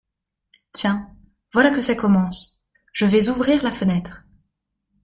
Tiens ! voilà que ça commence… je vais ouvrir la fenêtre…